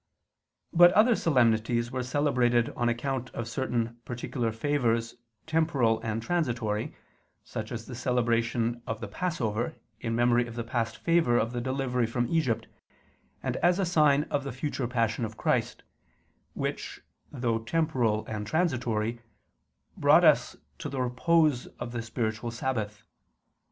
But other solemnities were celebrated on account of certain particular favors temporal and transitory, such as the celebration of the Passover in memory of the past favor of the delivery from Egypt, and as a sign of the future Passion of Christ, which though temporal and transitory, brought us to the repose of the spiritual Sabbath.